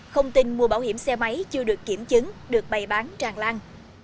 không tin mua bảo hiểm xe máy chưa được kiểm chứng được bày bán tràn lan